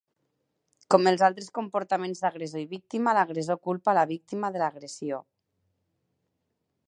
Com en altres comportaments d'agressor i víctima, l'agressor culpa la víctima de l'agressió.